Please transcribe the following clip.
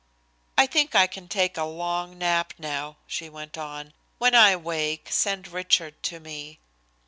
"I think I can take a long nap now," she went on. "When I awake send Richard to me."